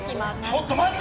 ちょっと待って！